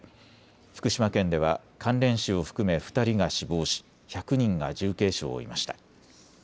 福島県では関連死を含め２人が死亡し１００人が重軽傷を負いました。